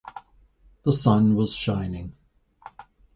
The sun was shining.